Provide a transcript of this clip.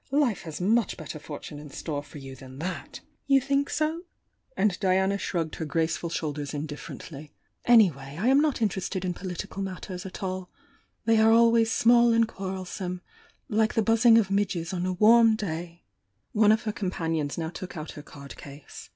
Life has mudi better fortune in store for you than ttiat! "You think so?"— and Diana shrugged her grace THE YOUNG DIANA 825 ful shoulders indifferently — "Anywi^, I am not in terested in political matters at all. They are always small and quarrelsome, — like the buzzing of midges on a warm day I" One of her companions now took out her card case.